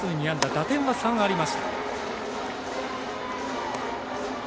打点は３ありました。